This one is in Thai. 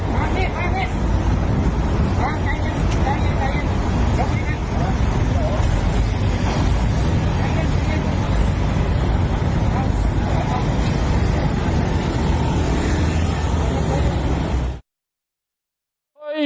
มาใจเย็นใจเย็นใจเย็น